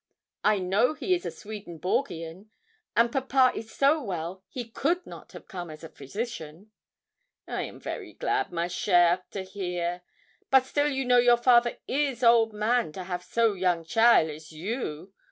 I know he is a Swedenborgian; and papa is so well he could not have come as a physician.' 'I am very glad, ma chère, to hear; but still you know your father is old man to have so young cheaile as you.